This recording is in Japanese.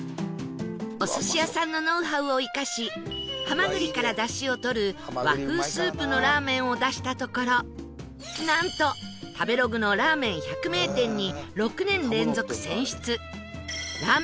お寿司屋さんのノウハウを生かしハマグリから出汁を取る和風スープのラーメンを出したところなんとを獲得する名店に